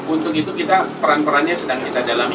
untuk itu kita peran perannya sedang kita dalami